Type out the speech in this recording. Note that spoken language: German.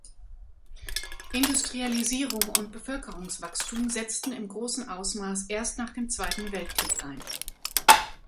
Industrialisierung und Bevölkerungswachstum setzten im großen Ausmaß erst nach dem Zweiten Weltkrieg ein.